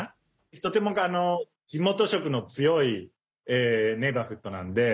とても地元色の強いネイバーフッドなんで。